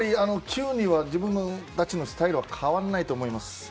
次の試合、自分たちのスタイルは変わらないと思います。